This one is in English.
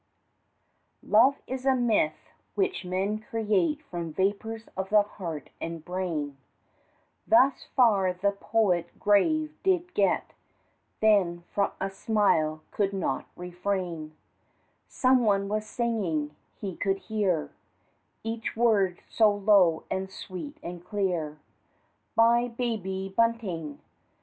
Love is a myth which men create from vapors of the heart and brain, Thus far the poet grave did get, then from a smile could not refrain, Someone was singing, he could hear Each word so low and sweet and clear, "By Baby Bunting!